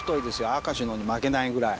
明石のに負けないぐらい。